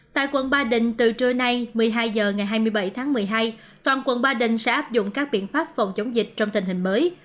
tại quận ba đình từ trưa nay một mươi hai h ngày hai mươi bảy tháng một mươi hai toàn quận ba đình sẽ áp dụng các biện pháp phòng chống dịch trong tình hình mới